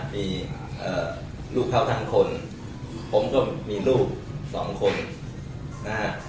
มีลูกเขาทั้งคนผมก็มีลูกสองคนนะฮะ